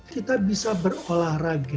kita bisa berolahraga